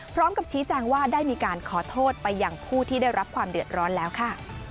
พร้อมกับชี้แจงว่าได้มีการขอโทษไปอย่างผู้ที่ได้รับความเดือดร้อนแล้วค่ะ